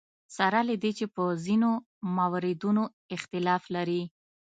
سره له دې چې په ځینو موردونو اختلاف لري.